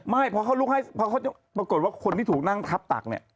ไม่ปรากฏว่าคนที่ถูกนั่งทับตัก